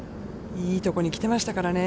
いいとこに来ていましたからね。